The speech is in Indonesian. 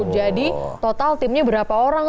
jadi total timnya berapa orang